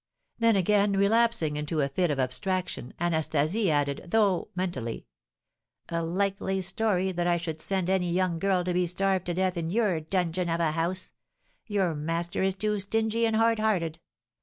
Then, again relapsing into a fit of abstraction, Anastasie added, though mentally, "A likely story that I should send any young girl to be starved to death in your dungeon of a house; your master is too stingy and hard hearted!